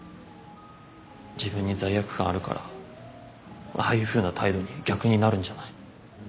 自分に罪悪感あるからああいうふうな態度に逆になるんじゃない？